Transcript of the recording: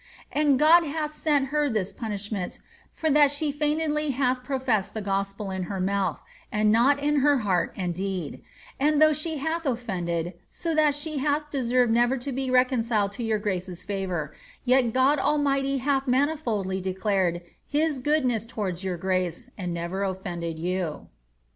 And God hath sent her this puni^thment, for that she feigned ly hath professed the Gospel in her mouth, and not in her heart and deed, and though she hath offended, so that she bath deserved never to be reconciled to your grace's favour, yet God Almighty hath manifoldly declared his goodness towards your grace, and never offended you."